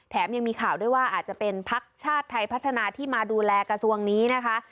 ยังมีข่าวด้วยว่าอาจจะเป็นพักชาติไทยพัฒนาที่มาดูแลกระทรวงนี้นะคะ